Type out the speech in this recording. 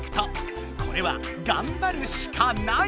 これはがんばるシカない！